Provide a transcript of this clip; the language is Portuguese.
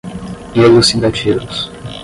elucidativos